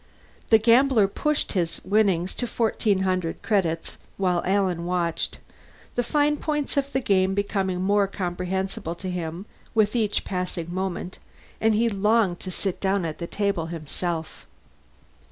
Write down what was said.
The gambler pushed his winnings to fourteen hundred credits, while Alan watched; the fine points of the game became more comprehensible to him with each passing moment, and he longed to sit down at the table himself.